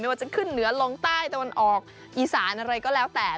ว่าจะขึ้นเหนือลงใต้ตะวันออกอีสานอะไรก็แล้วแต่